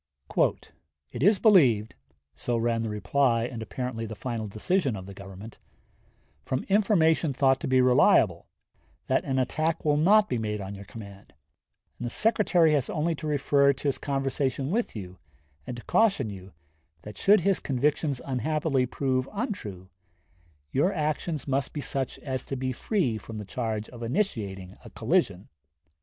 Adjutant General to Anderson, Dec. 1, 1860. W.R. Vol. I., pp. 82, 83. "It is believed," so ran the reply, and apparently the final decision of the Government, "from information thought to be reliable, that an attack will not be made on your command, and the Secretary has only to refer to his conversation with you, and to caution you that should his convictions unhappily prove untrue, your actions must be such as to be free from the charge of initiating a collision.